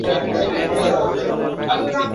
Lux Atlantic resort.